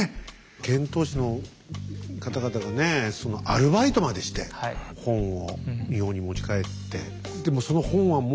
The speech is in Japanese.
遣唐使の方々がねアルバイトまでして本を日本に持ち帰って。